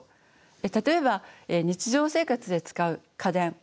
例えば日常生活で使う家電